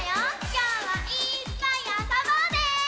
きょうはいっぱいあそぼうね！